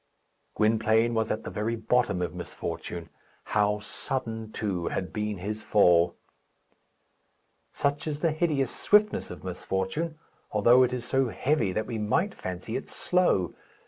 Gwynplaine was at the very bottom of misfortune. How sudden, too, had been his fall! Such is the hideous swiftness of misfortune, although it is so heavy that we might fancy it slow.